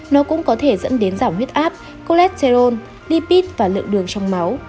nó cũng có thể dẫn đến giảm huyết áp cholesterol lipid và lượng đường trong máu